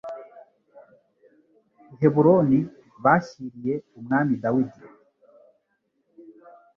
i Heburoni bashyiriye umwami Dawidi